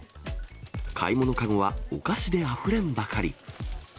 買い物籠はお菓子であふれんばかり。